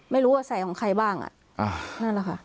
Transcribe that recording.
ไม่รู้ว่าใส่ของใครบ้างอ่ะนั่นแหละค่ะ